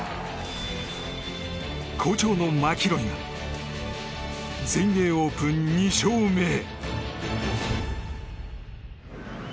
好調のマキロイが全英オープン２勝目へ。